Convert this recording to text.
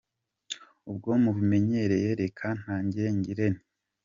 Ubwo mubinyemereye reka ntangire ngira nti: